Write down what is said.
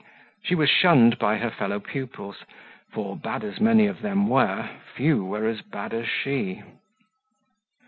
She was shunned by her fellow pupils, for, bad as many of them were, few were as bad as she.